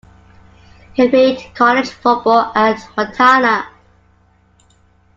He played college football at Montana.